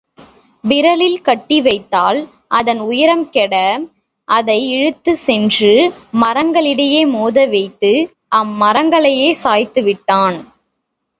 உரலில் கட்டி வைத்தால் அதன் உயரம் கெட அதை இழுத்துச் சென்று மரங்களிடை மோத வைத்து அம்மரங்களையே சாய்த்துவிட்டான்.